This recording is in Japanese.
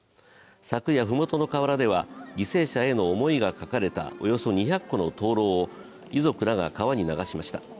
昨夜、麓の河原では犠牲者への思いが書かれたおよそ２００個の灯籠を遺族らが川に流しました。